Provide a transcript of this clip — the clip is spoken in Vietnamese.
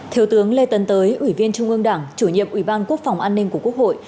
thiếu tướng lê tấn tới ủy viên trung ương đảng chủ nhiệm ủy ban quốc phòng an ninh của quốc hội